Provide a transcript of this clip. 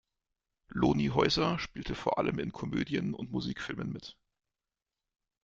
Loni Heuser spielte vor allem in Komödien und Musikfilmen mit.